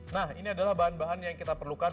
nah ini adalah bahan bahan yang kita perlukan